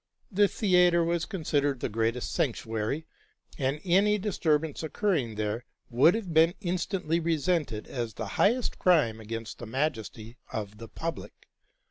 'The theatre was considered the greatest sanctuary, and any disturbance occurring there would have been instantly resented as the highest crime against the majesty of the public.